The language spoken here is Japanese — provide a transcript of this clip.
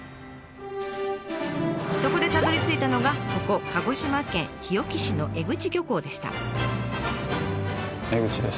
そこでたどりついたのがここ鹿児島県日置市の江口漁港でした。